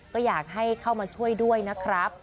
ก็อยากให้เข้ามาช่วยด้วยนะครับ